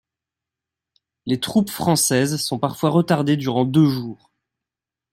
Les troupes françaises sont parfois retardées durant deux jours.